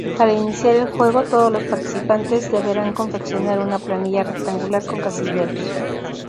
Para iniciar el juego, todos los participantes deberán confeccionar una planilla rectangular con casilleros.